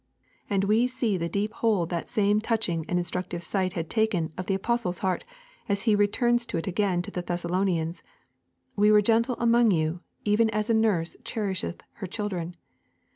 And we see the deep hold that same touching and instructive sight had taken of the apostle's heart as he returns to it again to the Thessalonians: 'We were gentle among you, even as a nurse cherisheth her children.